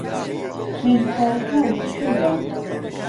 خوێندکارەکە لەکوێیە؟